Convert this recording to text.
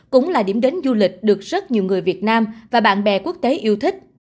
cũng là điểm đến du lịch được rất nhiều người việt nam và bạn bè quốc tế yêu thích